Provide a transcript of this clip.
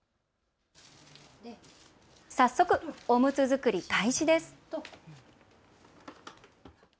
早速、おむつ作り開始です。